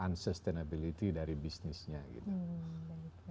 unsustainability dari bisnisnya gitu